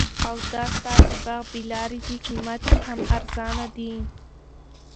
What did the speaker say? او دا ستاسي باغ بې لاري دي قیمت یې هم ارزانه دي